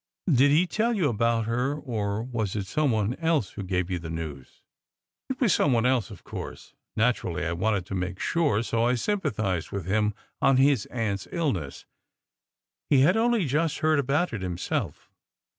"Did he tell you about her, or was it some one else who gave you the news?" "It was some one else, of course. Naturally I wanted to make sure, so I sympathized with him on his aunt s illness. He had only just heard about it, himself.